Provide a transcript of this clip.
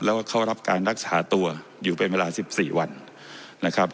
แล้วก็เข้ารับการรักษาตัวอยู่เป็นเวลา๑๔วันนะครับ